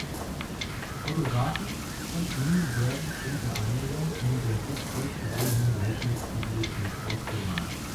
Autographen von ihm werden unter anderem in der Gottfried Wilhelm Leibniz Bibliothek aufbewahrt.